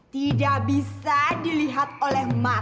tidak bisa dilihat oleh masyarakat